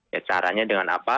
ya caranya dengan apa